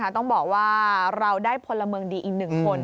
ต้องบอกว่าเราได้พลเมืองดีอีกหนึ่งคน